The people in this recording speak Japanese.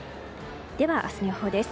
では、明日の予報です。